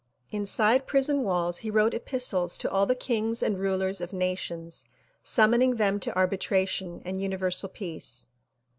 Inside prison walls he wrote epistles to all the kings and rulers of nations summoning them to arbitration and Universal Peace.